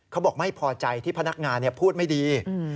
เขาบอกไม่พอใจที่พนักงานพูดไม่ดี